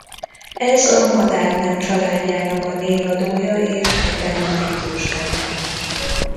Ez a madárnem családjának a névadója és egyben a típusneme.